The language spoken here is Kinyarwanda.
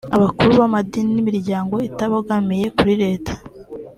abakuru b’amadini n’imiryango itabogamiye kuri leta